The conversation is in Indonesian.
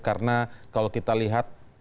karena kalau kita lihat